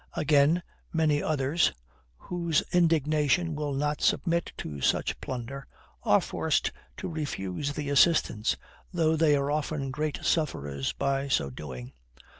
Again, many others, whose indignation will not submit to such plunder, are forced to refuse the assistance, though they are often great sufferers by so doing.